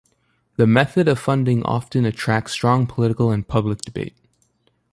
The method of funding often attracts strong political and public debate.